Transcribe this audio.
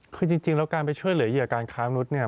คือจริงแล้วการไปช่วยเหลือเหยื่อการค้ามนุษย์เนี่ย